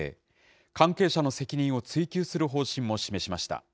関係者の責任を追及する方針も示しました。